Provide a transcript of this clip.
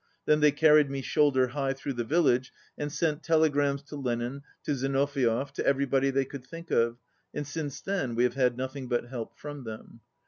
Then they carried me shoulder high through the village, and sent telegrams to Lenin, to Zino viev, to everybody they could think of, and since then we have had nothing but help from them.